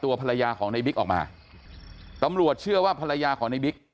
ภรรยาของในบิ๊กออกมาตำรวจเชื่อว่าภรรยาของในบิ๊ก